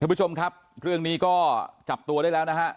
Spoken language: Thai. ผู้ชมครับเรื่องนี้ก็จับตัวได้แล้วนะฮะ